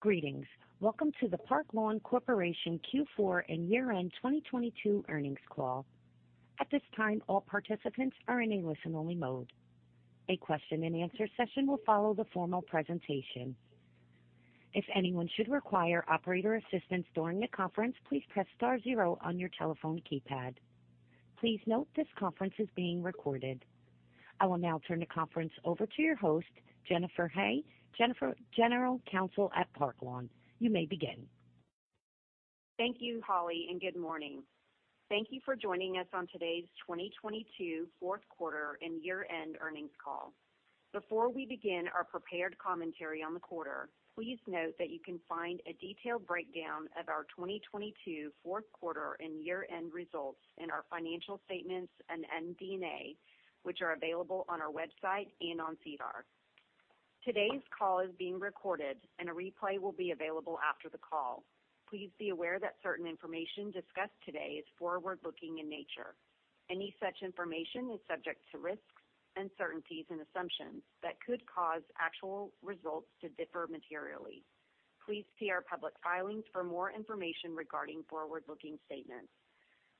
Greetings. Welcome to the Park Lawn Corporation Q4 and year-end 2022 earnings call. At this time, all participants are in a listen-only mode. A question-and-answer session will follow the formal presentation. If anyone should require operator assistance during the conference, please press star zero on your telephone keypad. Please note this conference is being recorded. I will now turn the conference over to your host, Jennifer Hay, Jennifer, General Counsel at Park Lawn. You may begin. Thank you, Holly, and good morning. Thank you for joining us on today's 2022 fourth quarter and year-end earnings call. Before we begin our prepared commentary on the quarter, please note that you can find a detailed breakdown of our 2022 fourth quarter and year-end results in our financial statements and MD&A, which are available on our website and on SEDAR. Today's call is being recorded and a replay will be available after the call. Please be aware that certain information discussed today is forward-looking in nature. Any such information is subject to risks, uncertainties and assumptions that could cause actual results to differ materially. Please see our public filings for more information regarding forward-looking statements.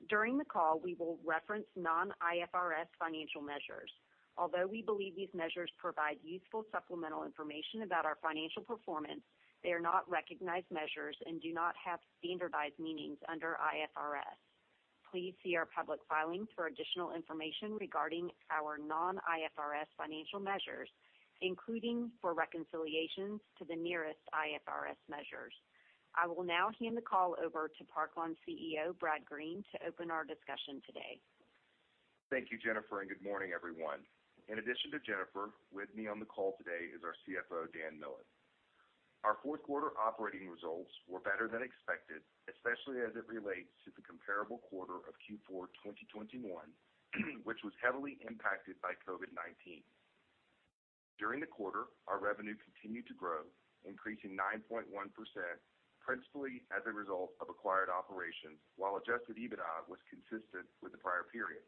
During the call, we will reference non-IFRS financial measures. Although we believe these measures provide useful supplemental information about our financial performance, they are not recognized measures and do not have standardized meanings under IFRS. Please see our public filings for additional information regarding our non-IFRS financial measures, including for reconciliations to the nearest IFRS measures. I will now hand the call over to Park Lawn CEO, Brad Green, to open our discussion today. Thank you, Jennifer. Good morning, everyone. In addition to Jennifer, with me on the call today is our CFO, Dan Miller. Our fourth quarter operating results were better than expected, especially as it relates to the comparable quarter of Q4 2021, which was heavily impacted by COVID-19. During the quarter, our revenue continued to grow, increasing 9.1% principally as a result of acquired operations while adjusted EBITDA was consistent with the prior period.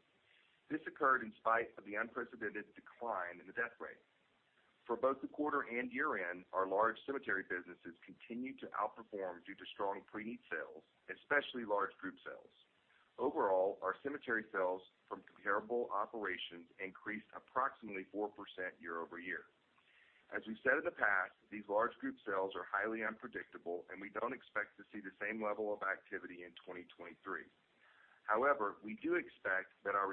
This occurred in spite of the unprecedented decline in the death rate. For both the quarter and year-end, our large cemetery businesses continued to outperform due to strong pre-need sales, especially large group sales. Overall, our cemetery sales from comparable operations increased approximately 4% year-over-year. As we've said in the past, these large group sales are highly unpredictable. We don't expect to see the same level of activity in 2023. However, we do expect that our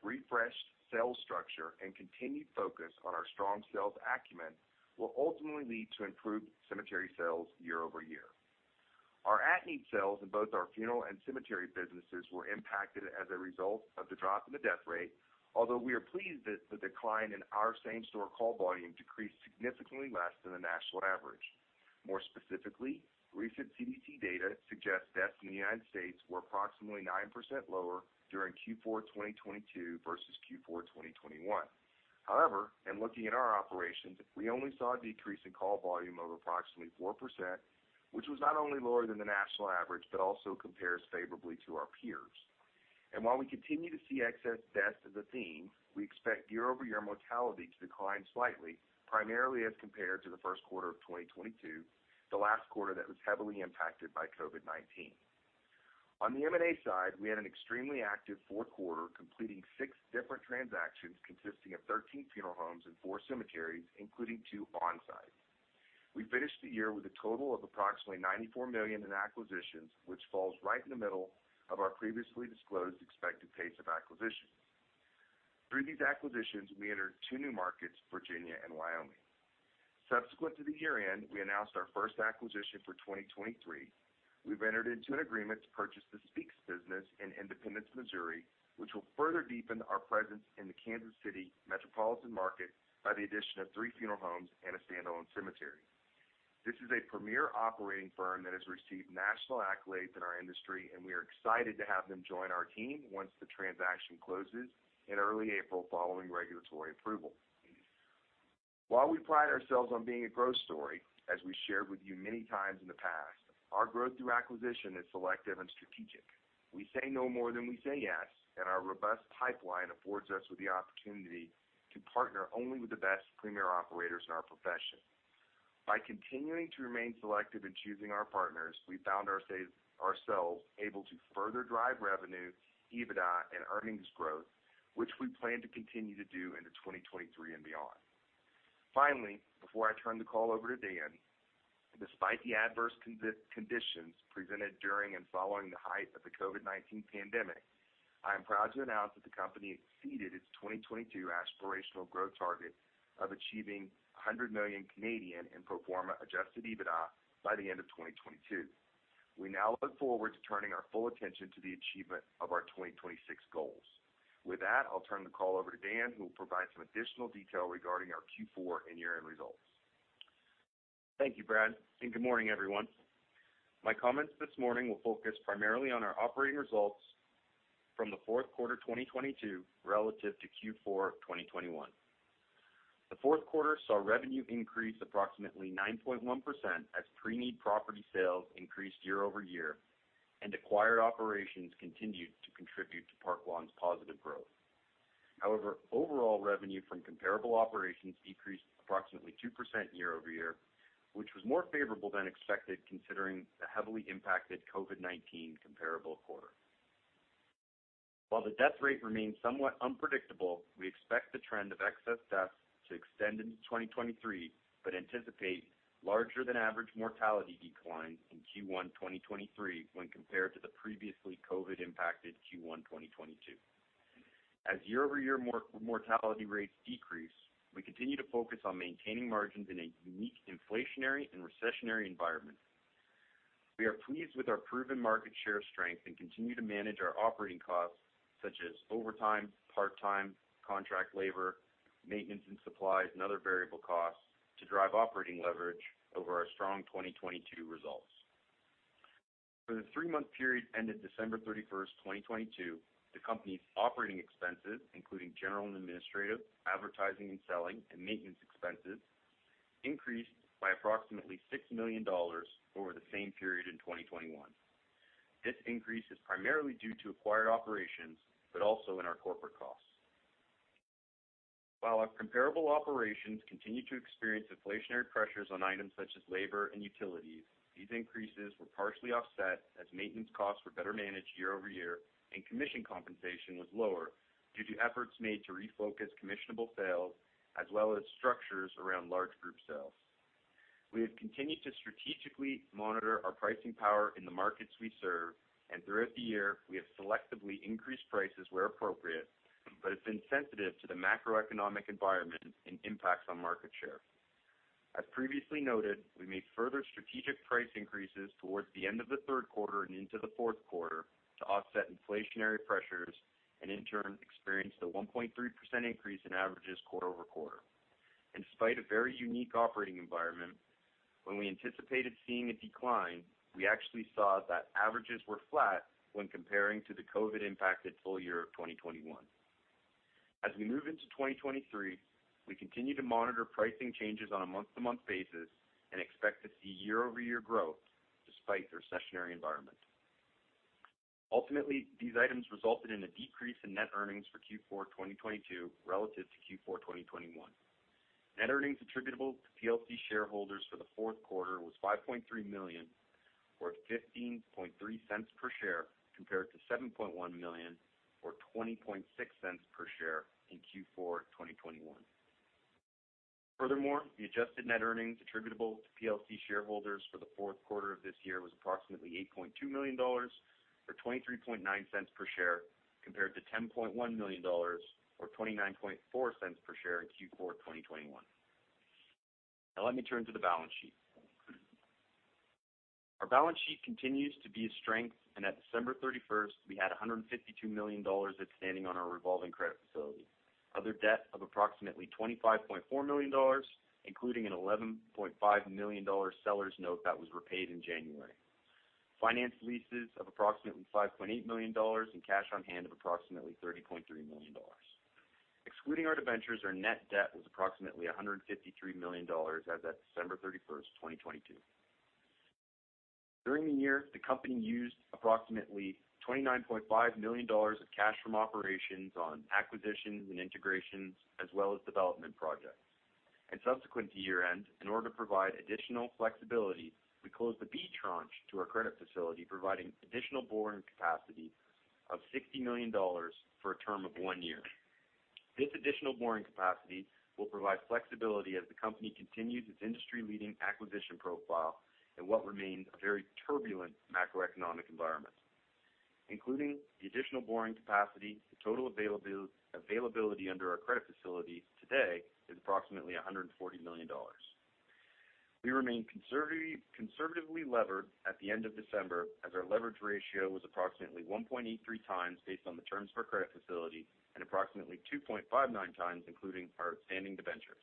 refreshed sales structure and continued focus on our strong sales acumen will ultimately lead to improved cemetery sales year-over-year. Our at-need sales in both our funeral and cemetery businesses were impacted as a result of the drop in the death rate, although we are pleased that the decline in our same-store call volume decreased significantly less than the national average. More specifically, recent CDC data suggests deaths in the United States were approximately 9% lower during Q4 2022 versus Q4 2021. However, in looking at our operations, we only saw a decrease in call volume of approximately 4%, which was not only lower than the national average but also compares favorably to our peers. While we continue to see excess deaths as a theme, we expect year-over-year mortality to decline slightly, primarily as compared to the first quarter of 2022, the last quarter that was heavily impacted by COVID-19. On the M&A side, we had an extremely active fourth quarter, completing six different transactions consisting of 13 funeral homes and four cemeteries, including two on-site. We finished the year with a total of approximately $94 million in acquisitions, which falls right in the middle of our previously disclosed expected pace of acquisitions. Through these acquisitions, we entered two new markets, Virginia and Wyoming. Subsequent to the year-end, we announced our first acquisition for 2023. We've entered into an agreement to purchase the Speaks business in Independence, Missouri, which will further deepen our presence in the Kansas City metropolitan market by the addition of three funeral homes and a standalone cemetery. This is a premier operating firm that has received national accolades in our industry, and we are excited to have them join our team once the transaction closes in early April following regulatory approval. While we pride ourselves on being a growth story, as we shared with you many times in the past, our growth through acquisition is selective and strategic. We say no more than we say yes, and our robust pipeline affords us with the opportunity to partner only with the best premier operators in our profession. By continuing to remain selective in choosing our partners, we found ourselves able to further drive revenue, EBITDA and earnings growth, which we plan to continue to do into 2023 and beyond. Finally, before I turn the call over to Dan, despite the adverse conditions presented during and following the height of the COVID-19 pandemic, I am proud to announce that the company exceeded its 2022 aspirational growth target of achieving 100 million in pro forma adjusted EBITDA by the end of 2022. We now look forward to turning our full attention to the achievement of our 2026 goals. With that, I'll turn the call over to Dan, who will provide some additional detail regarding our Q4 and year-end results. Thank you, Brad. Good morning, everyone. My comments this morning will focus primarily on our operating results from the fourth quarter 2022 relative to Q4 2021. The fourth quarter saw revenue increase approximately 9.1% as pre-need property sales increased year-over-year and acquired operations continued to contribute to Park Lawn's positive growth. Overall revenue from comparable operations decreased approximately 2% year-over-year, which was more favorable than expected considering the heavily impacted COVID-19 comparable quarter. While the death rate remains somewhat unpredictable, we expect the trend of excess deaths to extend into 2023, but anticipate larger than average mortality declines in Q1 2023 when compared to the previously COVID impacted Q1 2022. As year-over-year mortality rates decrease, we continue to focus on maintaining margins in a unique inflationary and recessionary environment. We are pleased with our proven market share strength and continue to manage our operating costs such as overtime, part-time, contract labor, maintenance and supplies, and other variable costs to drive operating leverage over our strong 2022 results. For the three-month period ended December 31st, 2022, the company's operating expenses, including general and administrative, advertising and selling, and maintenance expenses, increased by approximately 6 million dollars over the same period in 2021. This increase is primarily due to acquired operations, but also in our corporate costs. While our comparable operations continue to experience inflationary pressures on items such as labor and utilities, these increases were partially offset as maintenance costs were better managed year-over-year and commission compensation was lower due to efforts made to refocus commissionable sales as well as structures around large group sales. We have continued to strategically monitor our pricing power in the markets we serve, and throughout the year we have selectively increased prices where appropriate, but it's been sensitive to the macroeconomic environment and impacts on market share. As previously noted, we made further strategic price increases towards the end of the third quarter and into the fourth quarter to offset inflationary pressures and in turn experienced a 1.3% increase in averages quarter-over-quarter. In spite a very unique operating environment, when we anticipated seeing a decline, we actually saw that averages were flat when comparing to the COVID impacted full year of 2021. As we move into 2023, we continue to monitor pricing changes on a month-to-month basis and expect to see year-over-year growth despite the recessionary environment. Ultimately, these items resulted in a decrease in net earnings for Q4 2022 relative to Q4 2021. Net earnings attributable to PLC shareholders for the fourth quarter was $5.3 million, or $0.153 per share, compared to $7.1 million, or $0.206 per share in Q4 2021. The adjusted net earnings attributable to PLC shareholders for the fourth quarter of this year was approximately $8.2 million, or $0.239 per share compared to $10.1 million, or $0.294 per share in Q4 2021. Let me turn to the balance sheet. Our balance sheet continues to be a strength, and at December 31st we had $152 million outstanding on our revolving credit facility. Other debt of approximately $25.4 million, including an $11.5 million seller's note that was repaid in January. Finance leases of approximately $5.8 million and cash on hand of approximately $30.3 million. Excluding our debentures, our net debt was approximately $153 million as at December 31st, 2022. During the year, the company used approximately $29.5 million of cash from operations on acquisitions and integrations, as well as development projects. Subsequent to year-end, in order to provide additional flexibility, we closed the B tranche to our credit facility, providing additional borrowing capacity of $60 million for a term of one year. This additional borrowing capacity will provide flexibility as the company continues its industry-leading acquisition profile in what remains a very turbulent macroeconomic environment. Including the additional borrowing capacity, the total availability under our credit facility today is approximately $140 million. We remain conservatively levered at the end of December as our leverage ratio was approximately 1.83x based on the terms of our credit facility and approximately 2.59x including our outstanding debentures.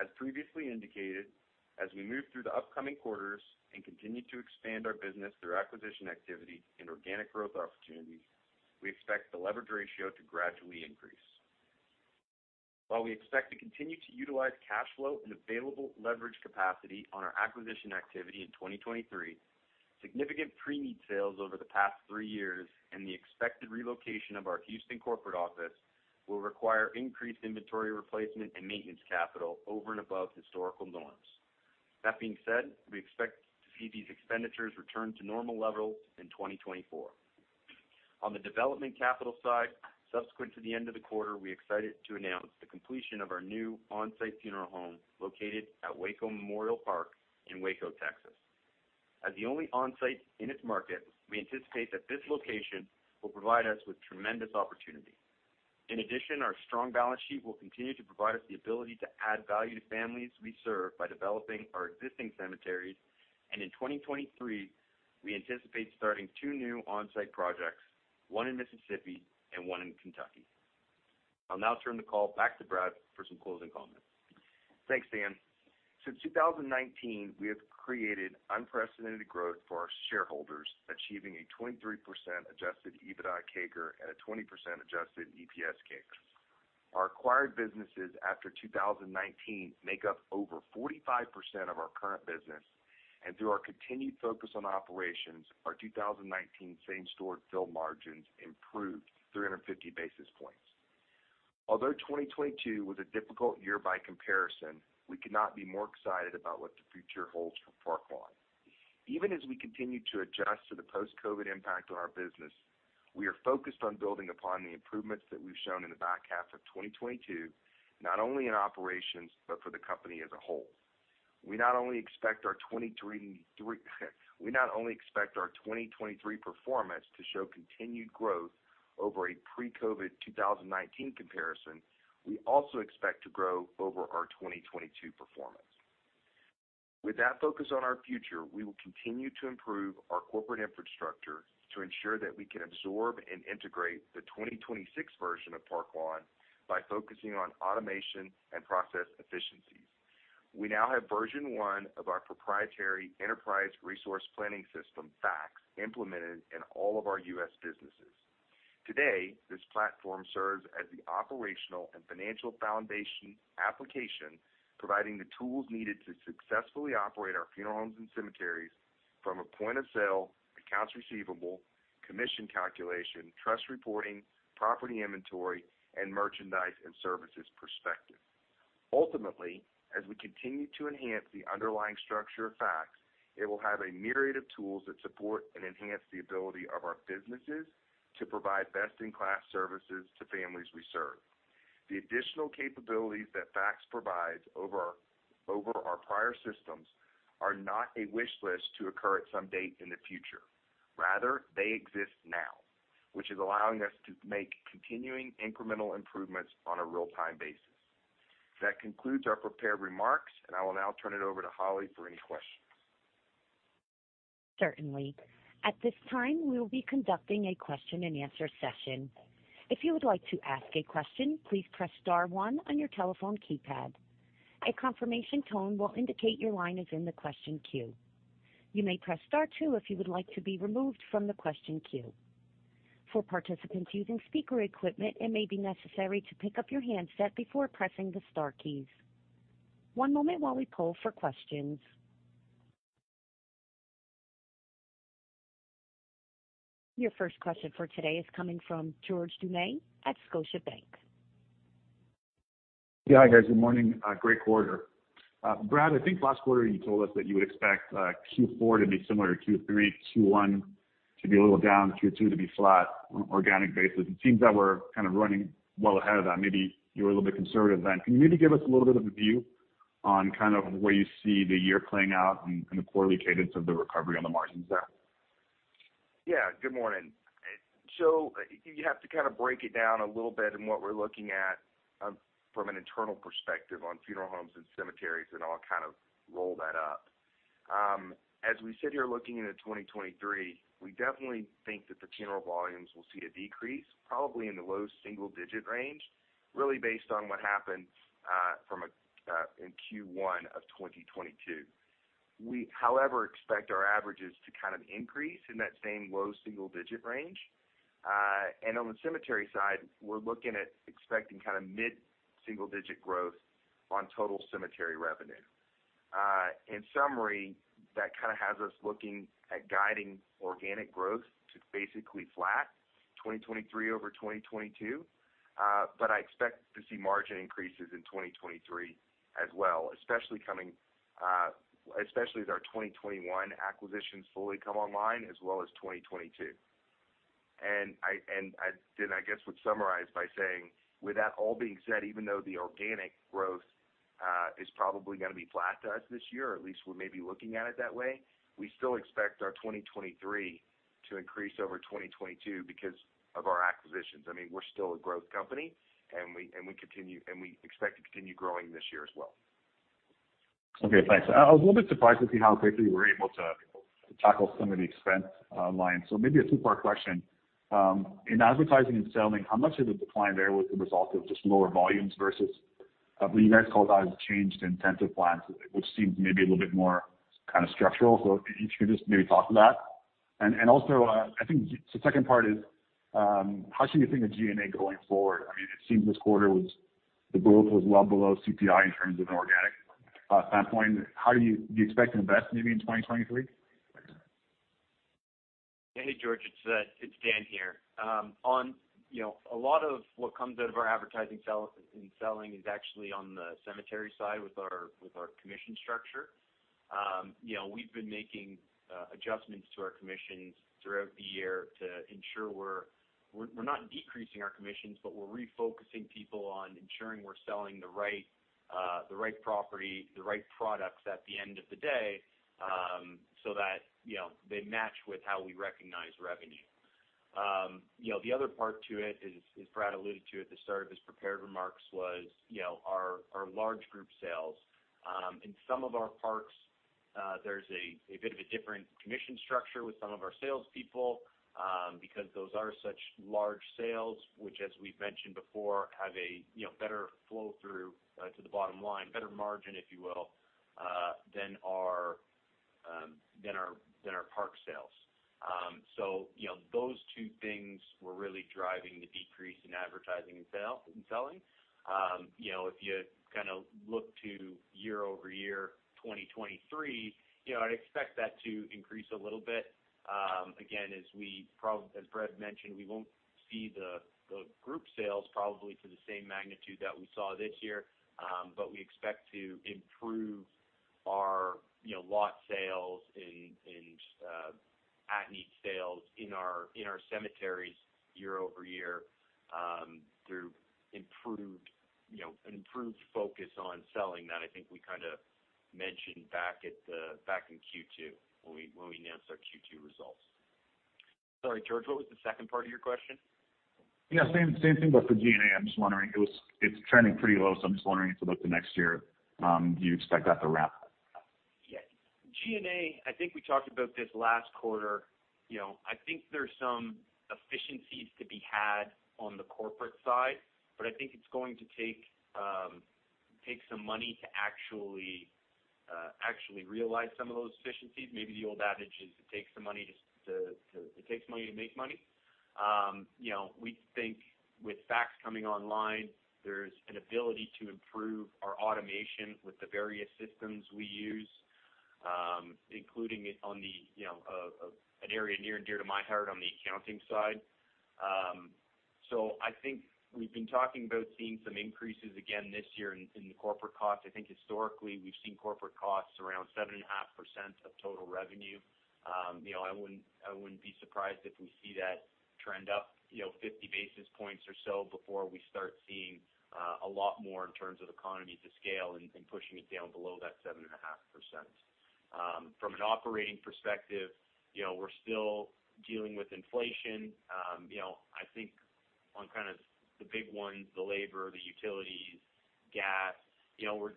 As previously indicated, as we move through the upcoming quarters and continue to expand our business through acquisition activity and organic growth opportunities, we expect the leverage ratio to gradually increase. While we expect to continue to utilize cash flow and available leverage capacity on our acquisition activity in 2023, significant pre-need sales over the past three years and the expected relocation of our Houston corporate office will require increased inventory replacement and maintenance capital over and above historical norms. That being said, we expect to see these expenditures return to normal levels in 2024. On the development capital side, subsequent to the end of the quarter, we're excited to announce the completion of our new on-site funeral home located at Waco Memorial Park in Waco, Texas. As the only on-site in its market, we anticipate that this location will provide us with tremendous opportunity. In addition, our strong balance sheet will continue to provide us the ability to add value to families we serve by developing our existing cemeteries. In 2023, we anticipate starting two new on-site projects, one in Mississippi and one in Kentucky. I'll now turn the call back to Brad for some closing comments. Thanks, Dan. Since 2019, we have created unprecedented growth for our shareholders, achieving a 23% adjusted EBITDA CAGR and a 20% adjusted EPS CAGR. Our acquired businesses after 2019 make up over 45% of our current business. Through our continued focus on operations, our 2019 same-store field margins improved 350 basis points. Although 2022 was a difficult year by comparison, we could not be more excited about what the future holds for Park Lawn. Even as we continue to adjust to the post-COVID impact on our business, we are focused on building upon the improvements that we've shown in the back half of 2022, not only in operations but for the company as a whole. We not only expect our 2023 performance to show continued growth over a pre-COVID 2019 comparison, we also expect to grow over our 2022 performance. With that focus on our future, we will continue to improve our corporate infrastructure to ensure that we can absorb and integrate the 2026 version of Park Lawn by focusing on automation and process efficiencies. We now have version one of our proprietary enterprise resource planning system, FaCTS, implemented in all of our U.S. businesses. Today, this platform serves as the operational and financial foundation application, providing the tools needed to successfully operate our funeral homes and cemeteries from a point-of-sale, accounts receivable, commission calculation, trust reporting, property inventory, and merchandise and services perspective. Ultimately, as we continue to enhance the underlying structure of FaCTS, it will have a myriad of tools that support and enhance the ability of our businesses to provide best-in-class services to families we serve. The additional capabilities that FaCTS provides over our prior systems are not a wish list to occur at some date in the future. Rather, they exist now, which is allowing us to make continuing incremental improvements on a real-time basis. That concludes our prepared remarks, and I will now turn it over to Holly for any questions. Certainly. At this time, we will be conducting a question-and-answer session. If you would like to ask a question, please press star one on your telephone keypad. A confirmation tone will indicate your line is in the question queue. You may press star two if you would like to be removed from the question queue. For participants using speaker equipment, it may be necessary to pick up your handset before pressing the star keys. One moment while we pull for questions. Your first question for today is coming from George Doumet at Scotiabank. Hi, guys. Good morning. Great quarter. Brad, I think last quarter you told us that you would expect Q4 to be similar to Q3, Q1 to be a little down, Q2 to be flat on an organic basis. It seems that we're kind of running well ahead of that. Maybe you were a little bit conservative then. Can you maybe give us a little bit of a view on kind of where you see the year playing out and the quarterly cadence of the recovery on the margins there? Good morning. You have to kind of break it down a little bit in what we're looking at from an internal perspective on funeral homes and cemeteries, and I'll kind of roll that up. As we sit here looking into 2023, we definitely think that the funeral volumes will see a decrease, probably in the low single-digit range, really based on what happened in Q1 of 2022. We, however, expect our averages to kind of increase in that same low single-digit range. On the cemetery side, we're looking at expecting kind of mid-single-digit growth on total cemetery revenue. In summary, that kind of has us looking at guiding organic growth to basically flat 2023 over 2022. I expect to see margin increases in 2023 as well, especially coming, especially as our 2021 acquisitions fully come online, as well as 2022. I guess, would summarize by saying, with that all being said, even though the organic growth is probably gonna be flat to us this year, or at least we may be looking at it that way, we still expect our 2023 to increase over 2022 because of our acquisitions. I mean, we're still a growth company, and we expect to continue growing this year as well. Okay. Thanks. I was a little bit surprised to see how quickly we're able to tackle some of the expense lines. Maybe a two-part question. In advertising and selling, how much of the decline there was the result of just lower volumes versus, I believe you guys called it, a changed incentive plan, which seems maybe a little bit more kind of structural. If you could just maybe talk to that. Also, I think the second part is, how should you think of G&A going forward? I mean, it seems this quarter was the growth was well below CPI in terms of organic standpoint. How do you expect to invest maybe in 2023? Hey, George, it's Dan here. You know, a lot of what comes out of our advertising sales and selling is actually on the cemetery side with our commission structure. You know, we've been making adjustments to our commissions throughout the year to ensure we're not decreasing our commissions, but we're refocusing people on ensuring we're selling the right property, the right products at the end of the day, so that, you know, they match with how we recognize revenue. You know, the other part to it is, as Brad alluded to at the start of his prepared remarks, was, you know, our large group sales. In some of our parks, there's a bit of a different commission structure with some of our salespeople, because those are such large sales, which, as we've mentioned before, have a, you know, better flow through to the bottom line, better margin, if you will, than our park sales. You know, those two things were really driving the decrease in advertising and selling. You know, if you kinda look to year-over-year 2023, you know, I'd expect that to increase a little bit. Again, as Brad mentioned, we won't see the group sales probably to the same magnitude that we saw this year, but we expect to improve our, you know, lot sales and, at-need sales in our cemeteries year-over-year, through improved, you know, an improved focus on selling that I think we kinda mentioned back in Q2 when we announced our Q2 results. Sorry, George, what was the second part of your question? Yeah, same thing, but for G&A. I'm just wondering, it's trending pretty low, so I'm just wondering if about the next year, do you expect that to ramp up? Yeah. G&A, I think we talked about this last quarter, you know, I think there's some efficiencies to be had on the corporate side, but I think it's going to take some money to actually realize some of those efficiencies. Maybe the old adage is it takes money to make money. You know, we think with FaCTS coming online, there's an ability to improve our automation with the various systems we use, including it on the, you know, an area near and dear to my heart on the accounting side. I think we've been talking about seeing some increases again this year in the corporate costs. I think historically, we've seen corporate costs around 7.5% of total revenue. You know, I wouldn't, I wouldn't be surprised if we see that trend up, you know, 50 basis points or so before we start seeing a lot more in terms of economies of scale and pushing it down below that 7.5%. From an operating perspective, you know, we're still dealing with inflation. You know, I think on kind of the big ones, the labor, the utilities, gas, you know, we're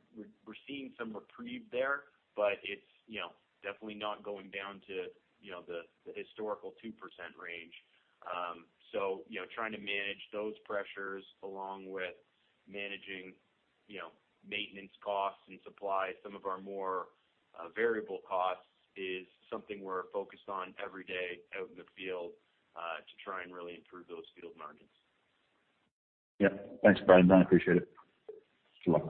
seeing some reprieve there, but it's, you know, definitely not going down to, you know, the historical 2% range. So, you know, trying to manage those pressures along with managing, you know, maintenance costs and supplies, some of our more variable costs is something we're focused on every day out in the field to try and really improve those field margins. Yeah. Thanks, Brad and Dan. Appreciate it. Sure.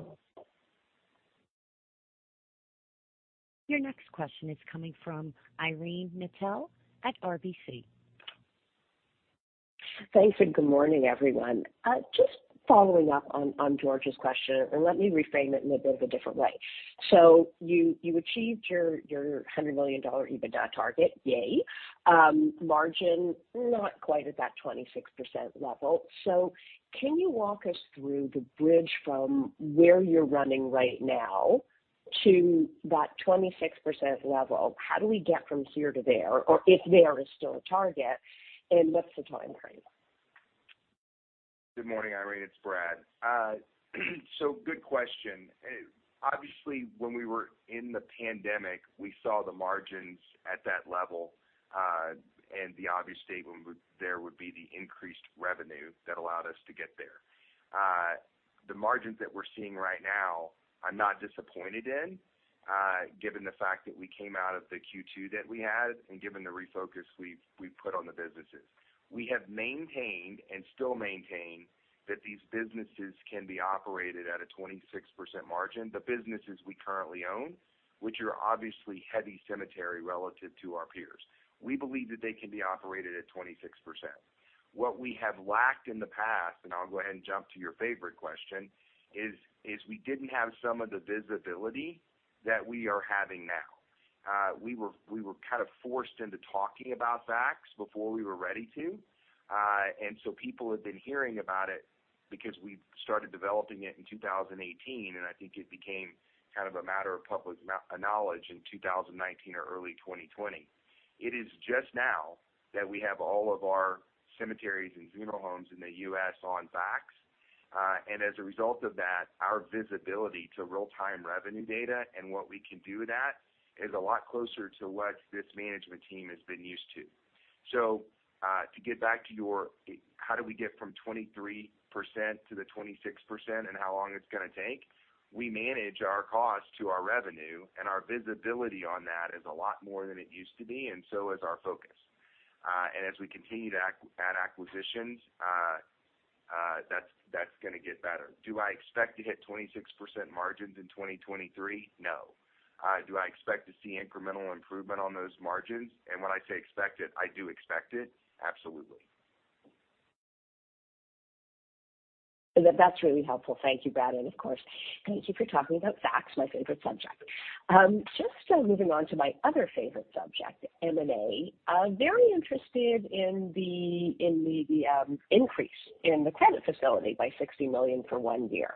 Your next question is coming from Irene Nattel at RBC. Thanks. Good morning, everyone. Just following up on George's question. Let me reframe it in a bit of a different way. You achieved your $100 million EBITDA target, yay. Margin, not quite at that 26% level. Can you walk us through the bridge from where you're running right now to that 26% level? How do we get from here to there? If there is still a target, what's the timeframe? Good morning, Irene. It's Brad. Good question. Obviously, when we were in the pandemic, we saw the margins at that level, and the obvious statement there would be the increased revenue that allowed us to get there. The margins that we're seeing right now, I'm not disappointed in, given the fact that we came out of the Q2 that we had and given the refocus we've put on the businesses. We have maintained and still maintain that these businesses can be operated at a 26% margin. The businesses we currently own, which are obviously heavy cemetery relative to our peers, we believe that they can be operated at 26%. What we have lacked in the past, and I'll go ahead and jump to your favorite question, is we didn't have some of the visibility that we are having now. We were kind of forced into talking about FaCTS before we were ready to. So people have been hearing about it because we started developing it in 2018, and I think it became kind of a matter of public knowledge in 2019 or early 2020. It is just now that we have all of our cemeteries and funeral homes in the U.S. on FaCTS. As a result of that, our visibility to real-time revenue data and what we can do with that is a lot closer to what this management team has been used to. To get back to your, how do we get from 23% to the 26% and how long it's gonna take, we manage our cost to our revenue, and our visibility on that is a lot more than it used to be, and so is our focus. as we continue to add acquisitions, that's gonna get better. Do I expect to hit 26% margins in 2023? No. Do I expect to see incremental improvement on those margins? When I say expected, I do expect it? Absolutely. That's really helpful. Thank you, Brad. Of course, thank you for talking about FaCTS, my favorite subject. Just moving on to my other favorite subject, M&A, I'm very interested in the increase in the credit facility by 60 million for one year.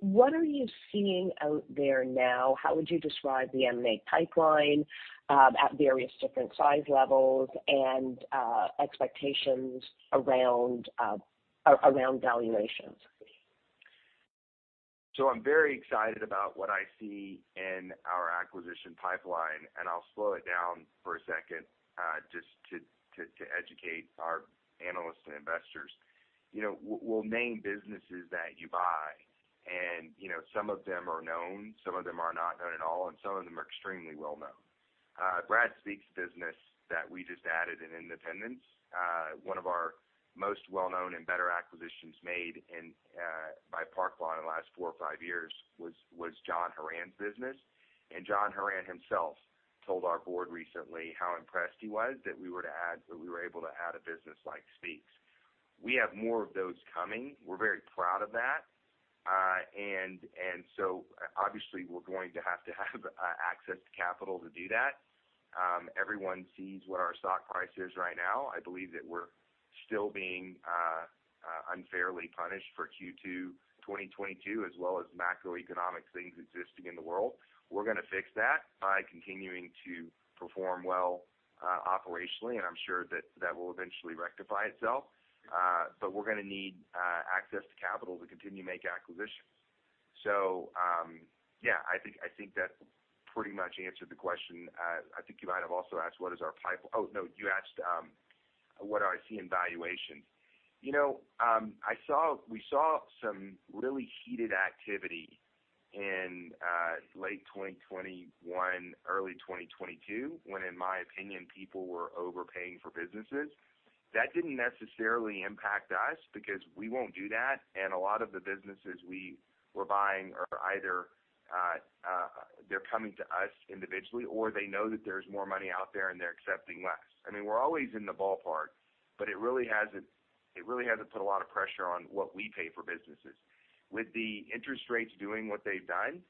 What are you seeing out there now? How would you describe the M&A pipeline at various different size levels and expectations around valuations? I'm very excited about what I see in our acquisition pipeline, and I'll slow it down for a second. Just to educate our analysts and investors. You know, we'll name businesses that you buy and, you know, some of them are known, some of them are not known at all, and some of them are extremely well known. Brad Speaks' business that we just added in Independence, one of our most well known and better acquisitions made by Park Lawn in the last four or five years was John Horan's business. John Horan himself told our board recently how impressed he was that we were able to add a business like Speaks. We have more of those coming. We're very proud of that. And so obviously, we're going to have to have access to capital to do that. Everyone sees what our stock price is right now. I believe that we're still being unfairly punished for Q2 2022, as well as macroeconomic things existing in the world. We're going to fix that by continuing to perform well operationally, I'm sure that that will eventually rectify itself. We're going to need access to capital to continue to make acquisitions. Yeah, I think that pretty much answered the question. I think you might have also asked, what I see in valuation. You know, we saw some really heated activity in late 2021, early 2022, when, in my opinion, people were overpaying for businesses. That didn't necessarily impact us because we won't do that. A lot of the businesses we were buying are either, they're coming to us individually, or they know that there's more money out there and they're accepting less. I mean, we're always in the ballpark, but it really hasn't put a lot of pressure on what we pay for businesses. With the interest rates doing what they've done,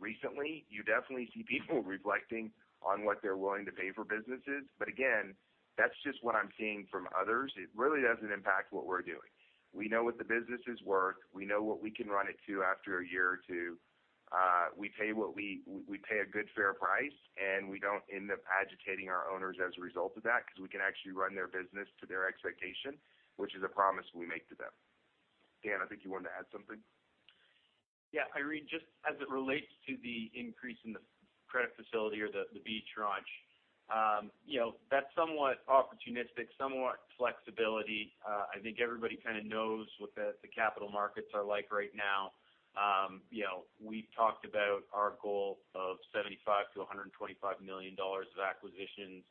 recently, you definitely see people reflecting on what they're willing to pay for businesses. Again, that's just what I'm seeing from others. It really doesn't impact what we're doing. We know what the business is worth. We know what we can run it to after a year or two. We pay a good, fair price, and we don't end up agitating our owners as a result of that because we can actually run their business to their expectation, which is a promise we make to them. Dan, I think you wanted to add something. Yeah. Irene, just as it relates to the increase in the credit facility or the B tranche, you know, that's somewhat opportunistic, somewhat flexibility. I think everybody kinda knows what the capital markets are like right now. You know, we've talked about our goal of 75 million-125 million dollars of acquisitions,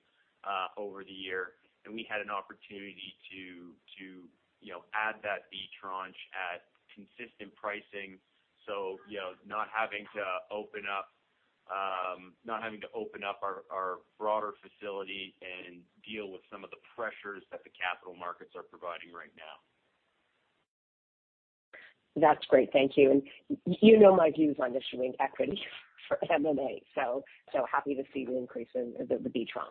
over the year, and we had an opportunity to, you know, add that B tranche at consistent pricing. You know, not having to open up our broader facility and deal with some of the pressures that the capital markets are providing right now. That's great. Thank you. You know my views on issuing equity for M&A, so happy to see the increase in the B tranche.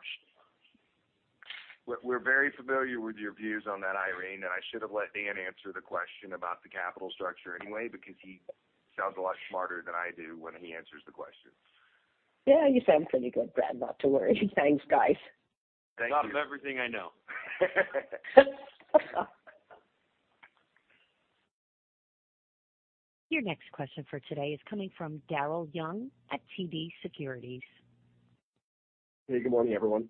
We're very familiar with your views on that, Irene. I should have let Dan answer the question about the capital structure anyway because he sounds a lot smarter than I do when he answers the question. Yeah, you sound pretty good, Brad. Not to worry. Thanks, guys. Thank you. That's not everything I know. Your next question for today is coming from Daryl Young at TD Securities. Hey, good morning, everyone.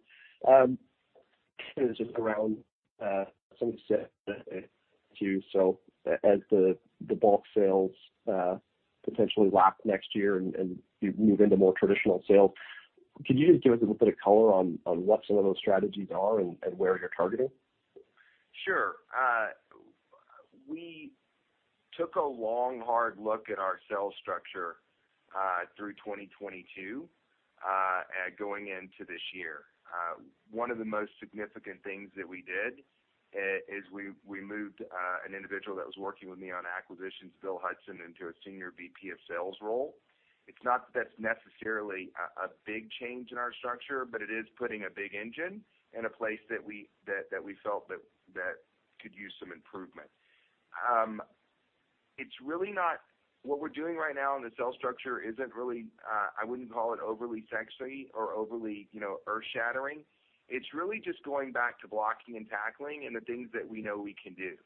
Just around something you said to you. As the bulk sales potentially lap next year and you move into more traditional sales, could you just give us a little bit of color on what some of those strategies are and where you're targeting? Sure. We took a long, hard look at our sales structure through 2022 going into this year. One of the most significant things that we did is we moved an individual that was working with me on acquisitions, Bill Hudson, into a Senior VP of Sales role. It's not that that's necessarily a big change in our structure, but it is putting a big engine in a place that we felt that could use some improvement. What we're doing right now in the sales structure isn't really I wouldn't call it overly sexy or overly, you know, earth-shattering. It's really just going back to blocking and tackling and the things that we know we can do.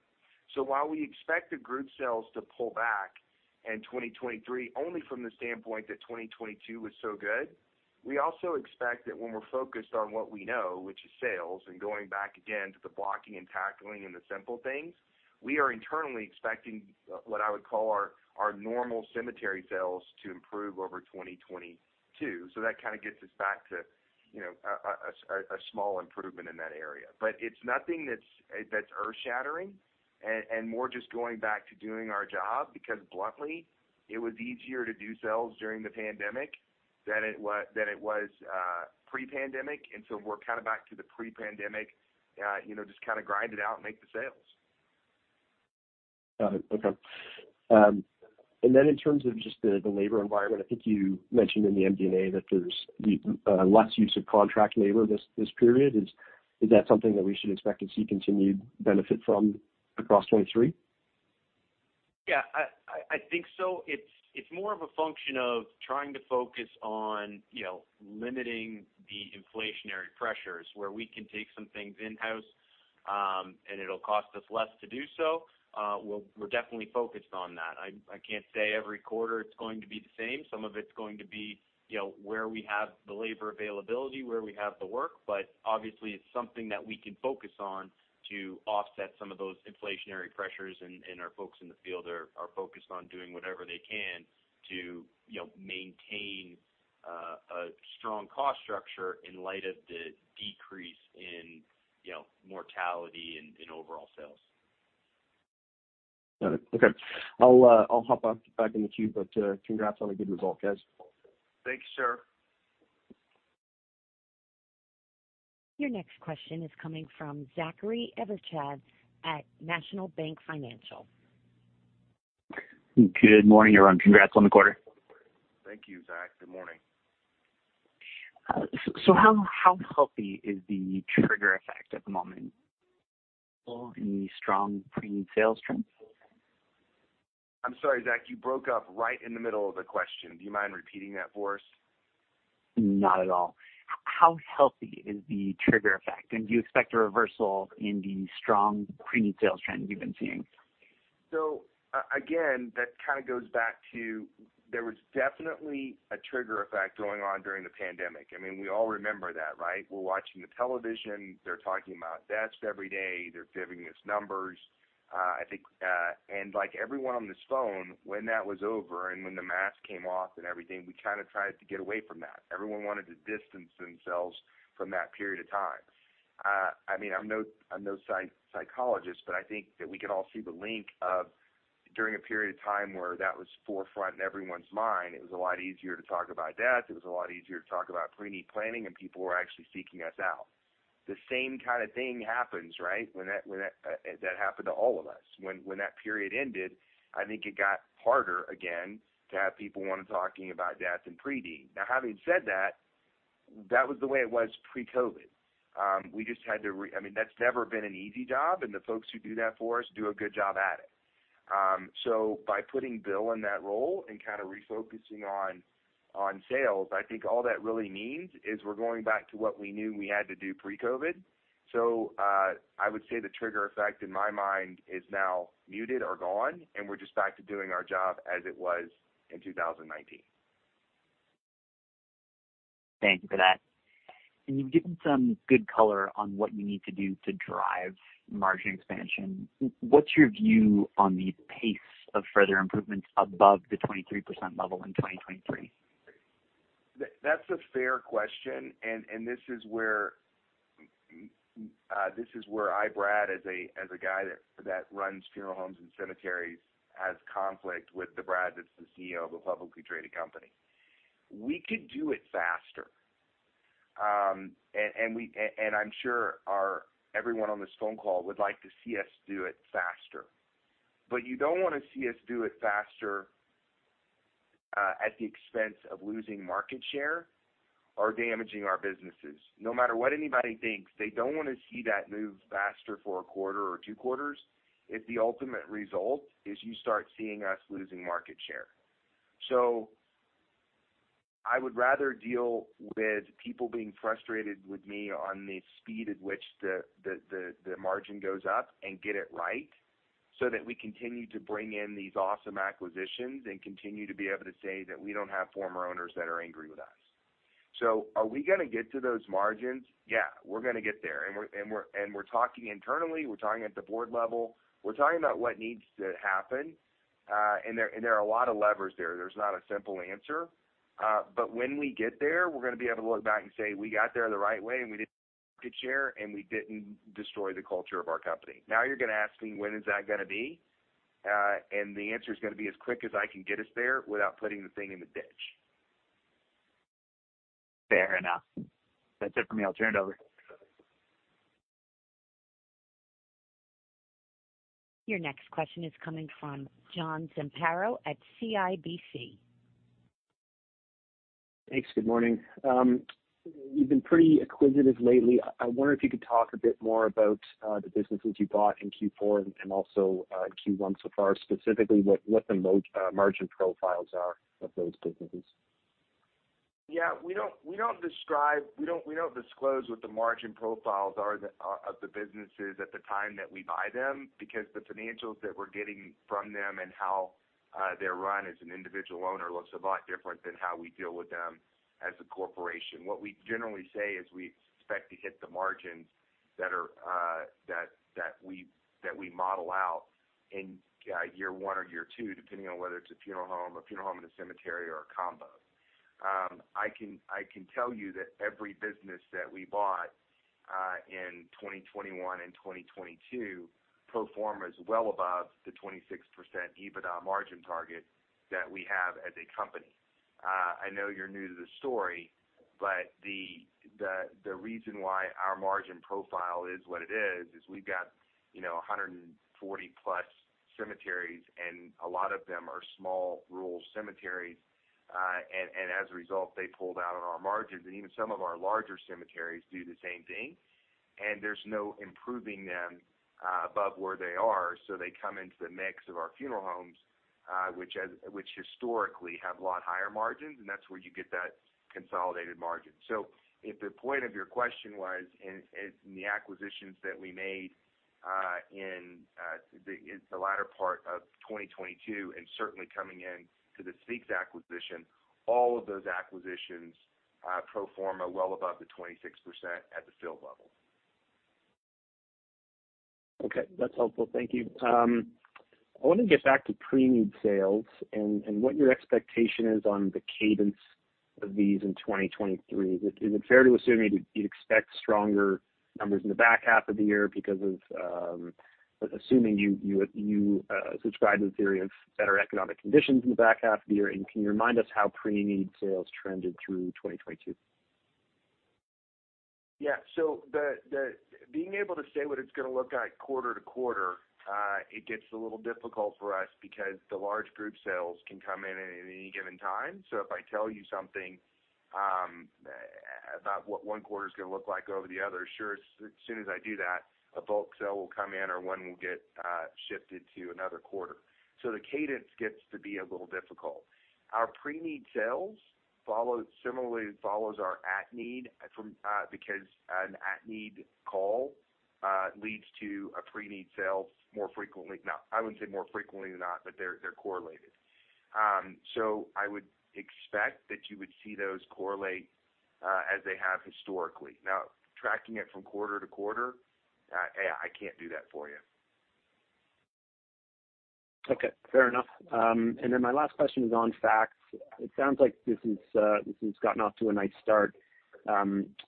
While we expect the group sales to pull back in 2023, only from the standpoint that 2022 was so good, we also expect that when we're focused on what we know, which is sales, and going back again to the blocking and tackling and the simple things, we are internally expecting what I would call our normal cemetery sales to improve over 2022. That kind of gets us back to, you know, a small improvement in that area. It's nothing that's earth-shattering and more just going back to doing our job because bluntly, it was easier to do sales during the pandemic than it was pre-pandemic. We're kind of back to the pre-pandemic, you know, just kinda grind it out and make the sales. Got it. Okay. In terms of just the labor environment, I think you mentioned in the MD&A that there's the less use of contract labor this period. Is that something that we should expect to see continued benefit from across 2023? Yeah. I think so. It's more of a function of trying to focus on, you know, limiting the inflationary pressures where we can take some things in-house, and it'll cost us less to do so, we're definitely focused on that. I can't say every quarter it's going to be the same. Some of it's going to be, you know, where we have the labor availability, where we have the work. Obviously, it's something that we can focus on to offset some of those inflationary pressures, and our folks in the field are focused on doing whatever they can to, you know, maintain a strong cost structure in light of the decrease in, you know, mortality and in overall sales. Got it. Okay. I'll hop off back in the queue, but congrats on a good result, guys. Thanks, sir. Your next question is coming from Zachary Evershed at National Bank Financial. Good morning, everyone. Congrats on the quarter. Thank you, Zach. Good morning. How healthy is the trigger effect at the moment? Any strong pre-need sales trends? I'm sorry, Zach, you broke up right in the middle of the question. Do you mind repeating that for us? Not at all. How healthy is the trigger effect? Do you expect a reversal in the strong pre-need sales trend you've been seeing? Again, that kinda goes back to there was definitely a trigger effect going on during the pandemic. I mean, we all remember that, right? We're watching the television, they're talking about deaths every day, they're giving us numbers. I think, and like everyone on this phone, when that was over and when the mask came off and everything, we kinda tried to get away from that. Everyone wanted to distance themselves from that period of time. I mean, I'm no, I'm no psychologist, but I think that we can all see the link of during a period of time where that was forefront in everyone's mind, it was a lot easier to talk about death, it was a lot easier to talk about pre-need planning, and people were actually seeking us out. The same kinda thing happens, right? When that... That happened to all of us. When that period ended, I think it got harder again to have people wanna talking about death and pre-need. Now, having said that was the way it was pre-COVID. We just had to I mean, that's never been an easy job, and the folks who do that for us do a good job at it. By putting Bill in that role and kinda refocusing on sales, I think all that really means is we're going back to what we knew we had to do pre-COVID. I would say the trigger effect in my mind is now muted or gone, and we're just back to doing our job as it was in 2019. Thank you for that. You've given some good color on what you need to do to drive margin expansion. What's your view on the pace of further improvements above the 23% level in 2023? That's a fair question, and this is where I, Brad, as a guy that runs funeral homes and cemeteries, has conflict with the Brad that's the CEO of a publicly traded company. We could do it faster. And I'm sure our... everyone on this phone call would like to see us do it faster. You don't wanna see us do it faster at the expense of losing market share or damaging our businesses. No matter what anybody thinks, they don't wanna see that move faster for a quarter or two quarters if the ultimate result is you start seeing us losing market share. I would rather deal with people being frustrated with me on the speed at which the margin goes up and get it right, so that we continue to bring in these awesome acquisitions and continue to be able to say that we don't have former owners that are angry with us. Are we gonna get to those margins? Yeah, we're gonna get there. And we're talking internally, we're talking at the board level, we're talking about what needs to happen. And there are a lot of levers there. There's not a simple answer. But when we get there, we're gonna be able to look back and say, "We got there the right way, and we didn't share, and we didn't destroy the culture of our company." You're gonna ask me, when is that gonna be? The answer is gonna be as quick as I can get us there without putting the thing in the ditch. Fair enough. That's it for me. I'll turn it over. Your next question is coming from John Zamparo at CIBC. Thanks. Good morning. You've been pretty acquisitive lately. I wonder if you could talk a bit more about the businesses you bought in Q4 and also in Q1 so far, specifically what the margin profiles are of those businesses. Yeah. We don't disclose what the margin profiles are of the businesses at the time that we buy them, because the financials that we're getting from them and how they're run as an individual owner looks a lot different than how we deal with them as a corporation. What we generally say is we expect to hit the margins that are that we model out in year one or year two, depending on whether it's a funeral home, a funeral home and a cemetery, or a combo. I can tell you that every business that we bought in 2021 and 2022 perform as well above the 26% EBITDA margin target that we have as a company. I know you're new to the story, the reason why our margin profile is what it is we've got, you know, 140+ cemeteries. A lot of them are small, rural cemeteries. As a result, they pulled out on our margins. Even some of our larger cemeteries do the same thing. There's no improving them of where they are, so they come into the mix of our funeral homes, which historically have a lot higher margins, and that's where you get that consolidated margin. If the point of your question was in the acquisitions that we made, in, the, it's the latter part of 2022 and certainly coming in to the Speaks acquisition, all of those acquisitions pro forma well above the 26% at the field level. Okay. That's helpful. Thank you. I wanna get back to pre-need sales and what your expectation is on the cadence of these in 2023. Is it fair to assume you'd expect stronger numbers in the back half of the year because of, assuming you subscribe to the theory of better economic conditions in the back half of the year? Can you remind us how pre-need sales trended through 2022? Yeah. Being able to say what it's gonna look like quarter to quarter, it gets a little difficult for us because the large group sales can come in at any given time. If I tell you something about what one quarter's gonna look like over the other, sure, as soon as I do that, a bulk sale will come in or one will get shifted to another quarter. The cadence gets to be a little difficult. Our pre-need sales similarly follows our at-need from because an at-need call leads to a pre-need sale more frequently. Now, I wouldn't say more frequently than not, but they're correlated. I would expect that you would see those correlate as they have historically. Now, tracking it from quarter to quarter, I can't do that for you. Okay. Fair enough. My last question is on FaCTS. It sounds like this has gotten off to a nice start.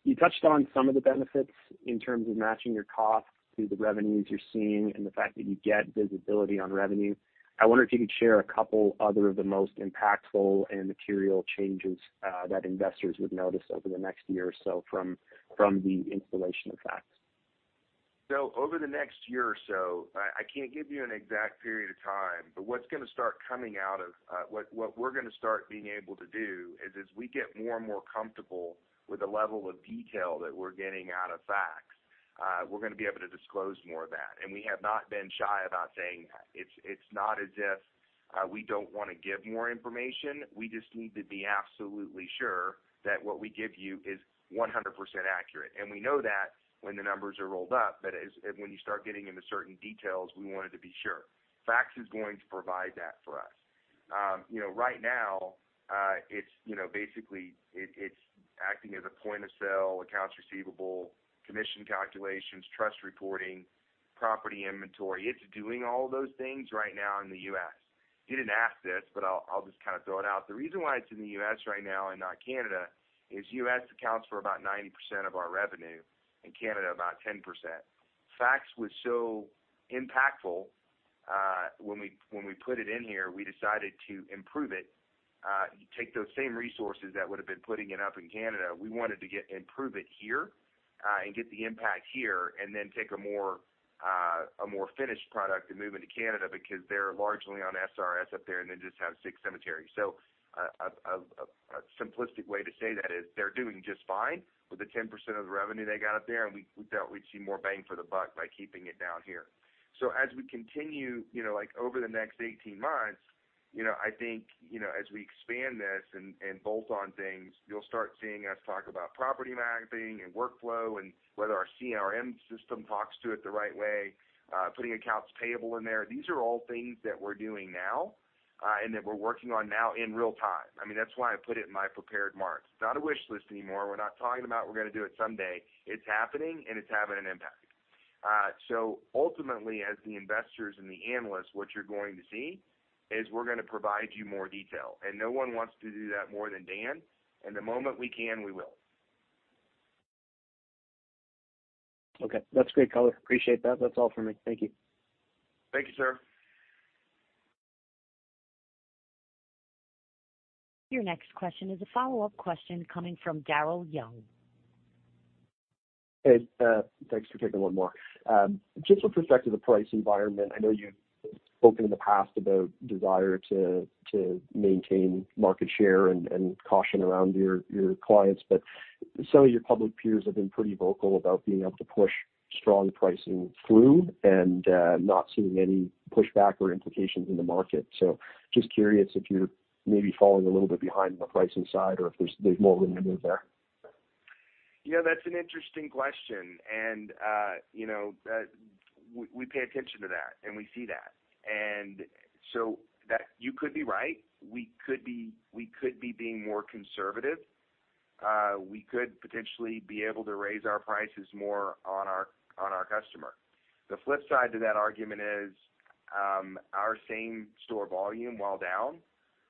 You touched on some of the benefits in terms of matching your costs to the revenues you're seeing and the fact that you get visibility on revenue. I wonder if you could share a couple other of the most impactful and material changes that investors would notice over the next year or so from the installation of FaCTS. Over the next year or so, I can't give you an exact period of time, but what's going to start coming out of what we're going to start being able to do is as we get more and more comfortable with the level of detail that we're getting out of FaCTS, we're going to be able to disclose more of that. We have not been shy about saying that. It's not as if we don't want to give more information, we just need to be absolutely sure that what we give you is 100% accurate. We know that when the numbers are rolled up, but when you start getting into certain details, we wanted to be sure. FaCTS is going to provide that for us. You know, right now, it's, you know, basically it's acting as a point-of-sale, accounts receivable, commission calculations, trust reporting, property inventory. It's doing all those things right now in the U.S. You didn't ask this, but I'll just kinda throw it out. The reason why it's in the U.S. right now and not Canada is U.S. accounts for about 90% of our revenue, and Canada about 10%. FaCTS was so impactful, when we, when we put it in here, we decided to improve it. Take those same resources that would've been putting it up in Canada, we wanted to improve it here, and get the impact here, and then take a more, a more finished product and move into Canada because they're largely on SRS up there, and they just have six cemeteries. A simplistic way to say that is they're doing just fine with the 10% of the revenue they got up there, and we felt we'd see more bang for the buck by keeping it down here. As we continue, you know, like, over the next 18 months, you know, I think, you know, as we expand this and bolt on things, you'll start seeing us talk about property mapping and workflow and whether our CRM system talks to it the right way, putting accounts payable in there. These are all things that we're doing now, and that we're working on now in real time. I mean, that's why I put it in my prepared remarks. It's not a wish list anymore. We're not talking about we're gonna do it someday. It's happening, and it's having an impact. Ultimately, as the investors and the analysts, what you're going to see is we're gonna provide you more detail, and no one wants to do that more than Dan. The moment we can, we will. Okay. That's great color. Appreciate that. That's all for me. Thank you. Thank you, sir. Your next question is a follow-up question coming from Daryl Young. Hey, thanks for taking one more. Just with respect to the price environment, I know you've spoken in the past about desire to maintain market share and caution around your clients, but some of your public peers have been pretty vocal about being able to push strong pricing through and not seeing any pushback or implications in the market. Just curious if you're maybe falling a little bit behind on the pricing side or if there's more room to move there. You know, that's an interesting question. We pay attention to that and we see that. That you could be right, we could be being more conservative. We could potentially be able to raise our prices more on our, on our customer. The flip side to that argument is, our same-store volume, while down,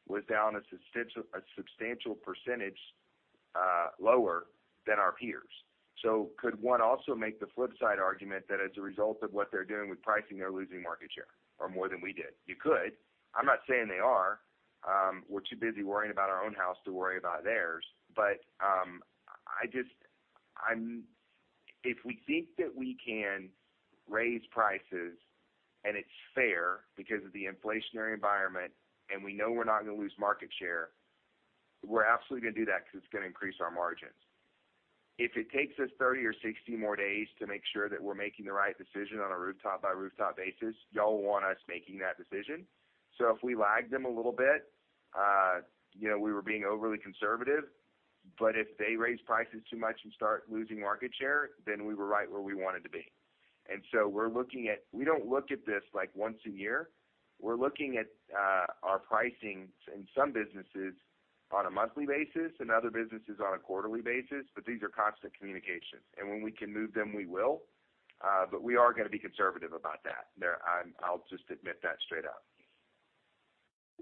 was down a substantial percentage lower than our peers. Could one also make the flip side argument that as a result of what they're doing with pricing, they're losing market share or more than we did? You could. I'm not saying they are. We're too busy worrying about our own house to worry about theirs. If we think that we can raise prices and it's fair because of the inflationary environment, and we know we're not gonna lose market share, we're absolutely gonna do that because it's gonna increase our margins. If it takes us 30 or 60 more days to make sure that we're making the right decision on a rooftop by rooftop basis, y'all want us making that decision. If we lagged them a little bit, you know, we were being overly conservative. If they raise prices too much and start losing market share, then we were right where we wanted to be. We're looking at. We don't look at this like once a year. We're looking at our pricing in some businesses on a monthly basis and other businesses on a quarterly basis. These are constant communications, and when we can move them, we will. But we are gonna be conservative about that. There, I'll just admit that straight up.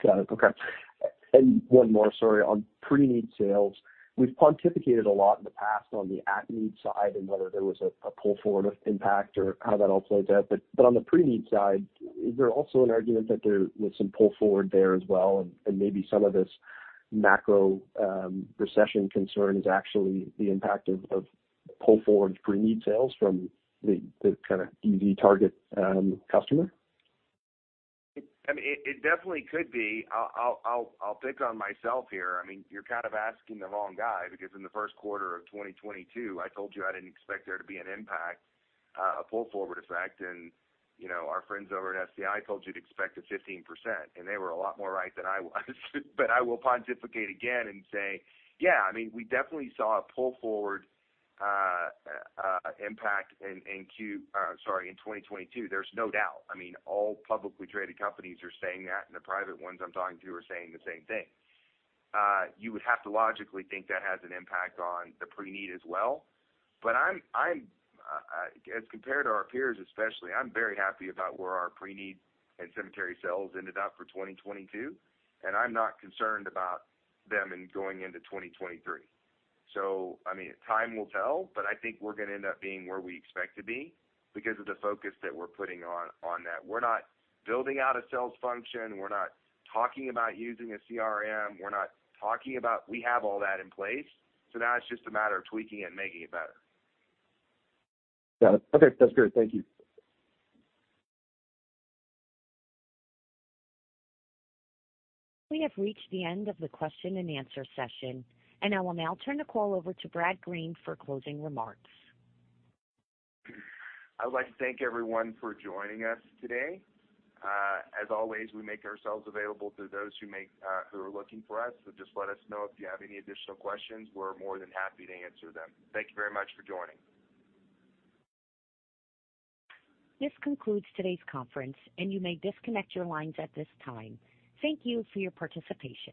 Got it. Okay. One more, sorry. On pre-need sales, we've pontificated a lot in the past on the at-need side and whether there was a pull forward impact or how that all plays out. On the pre-need side, is there also an argument that there was some pull forward there as well? Maybe some of this macro recession concern is actually the impact of pull forward pre-need sales from the kind of easy target customer. I mean, it definitely could be. I'll pick on myself here. I mean, you're kind of asking the wrong guy because in the first quarter of 2022, I told you I didn't expect there to be an impact, a pull forward effect. You know, our friends over at SCI told you to expect a 15%, and they were a lot more right than I was. I will pontificate again and say, yeah, I mean, we definitely saw a pull forward, impact in sorry, in 2022, there's no doubt. I mean, all publicly traded companies are saying that, and the private ones I'm talking to are saying the same thing. You would have to logically think that has an impact on the pre-need as well. I'm as compared to our peers especially, I'm very happy about where our pre-need and cemetery sales ended up for 2022, and I'm not concerned about them in going into 2023. I mean, time will tell, but I think we're gonna end up being where we expect to be because of the focus that we're putting on that. We're not building out a sales function. We're not talking about using a CRM. We're not talking about. We have all that in place, so now it's just a matter of tweaking it and making it better. Got it. Okay. That's great. Thank you. We have reached the end of the question and answer session, and I will now turn the call over to Brad Green for closing remarks. I'd like to thank everyone for joining us today. As always, we make ourselves available to those who are looking for us. Just let us know if you have any additional questions. We're more than happy to answer them. Thank you very much for joining. This concludes today's conference, and you may disconnect your lines at this time. Thank you for your participation.